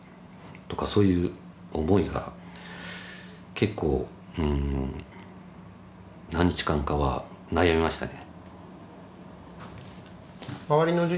結構、何日間かは悩みましたね。